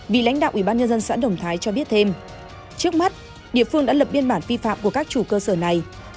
vị lãnh đạo ubnd tp hà nội cho biết thêm trước mắt địa phương đã lập biên bản phi phạm của các chủ cơ sở này